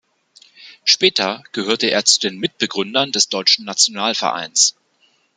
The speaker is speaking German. Später gehörte er zu den Mitbegründern des Deutschen Nationalvereins.